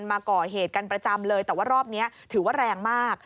มาก่อเหตุกันประจำเลยแต่ว่ารอบนี้ถือว่าแรงมาก